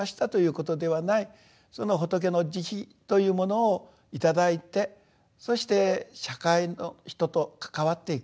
その仏の慈悲というものを頂いてそして社会の人と関わっていく。